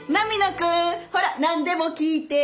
君ほら何でも聞いて。